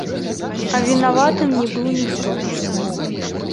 А вінаватым не быў ніхто.